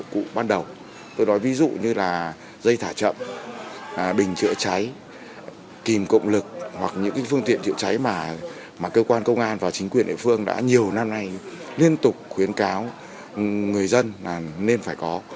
cụ ban đầu tôi nói ví dụ như là dây thả chậm bình chữa cháy kìm cộng lực hoặc những phương tiện chữa cháy mà cơ quan công an và chính quyền địa phương đã nhiều năm nay liên tục khuyến cáo người dân là nên phải có